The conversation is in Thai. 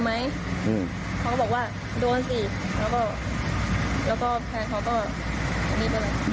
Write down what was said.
แล้วก็แฟนเค้าก็เมล็ดด้วย